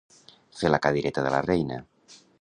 Fer la cadireta de la reina.